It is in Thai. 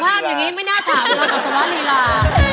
สภาพอย่างงี้ไม่น่าถามอัตสวรรีรา